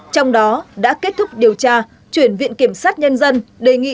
trong đó đã kết thúc điều tra chuyển viện kiểm sát nhân dân đề nghị